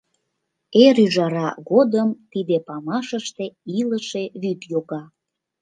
Эр ӱжара годым тиде памашыште илыше вӱд йога.